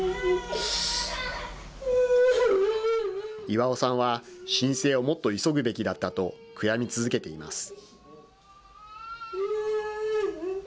イワオさんは、申請をもっと急ぐべきだったと、悔み続けています。